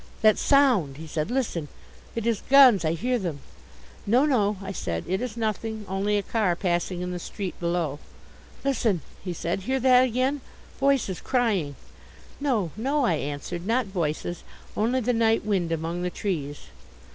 "That sound!" he said. "Listen! It is guns I hear them." "No, no," I said, "it is nothing. Only a car passing in the street below." "Listen," he said. "Hear that again voices crying!" "No, no," I answered, "not voices, only the night wind among the trees."